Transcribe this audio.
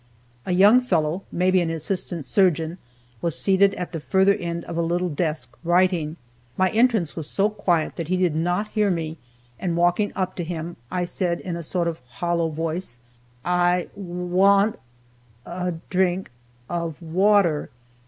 A young fellow, maybe an assistant surgeon, was seated at the further end cf a little desk, writing. My entrance was so quiet that he did not hear me, and walking up to him, I said, in a sort of a hollow voice: "I want a drink of water."